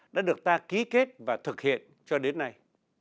đã được ta ký kết và thực hiện cho đến nay